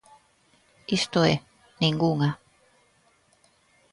Isto é, ningunha.